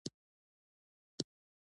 د وریجو کښت په شمال کې کیږي.